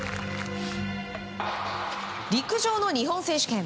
陸上の日本選手権。